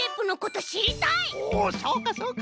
おおそうかそうか。